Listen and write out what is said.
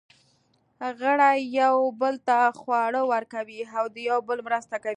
غړي یوه بل ته خواړه ورکوي او د یوه بل مرسته کوي.